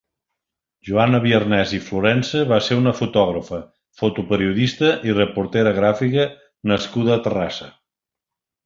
Joana Biarnés i Florensa va ser una fotògrafa, fotoperiodista i reportera gràfica nascuda a Terrassa.